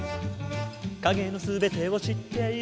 「影の全てを知っている」